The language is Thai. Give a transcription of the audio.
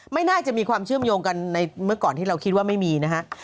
ไม่น่าจะมีความเชื่อมโยงกันในเมื่อก่อนที่เราคิดว่าไม่มีนะฮะ